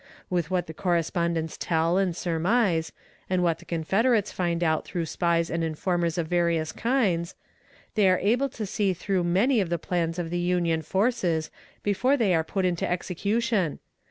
With what the correspondents tell and surmise, and what the Confederates find out through spies and informers of various kinds, they are able to see through many of the plans of the Union forces before they are put into execution.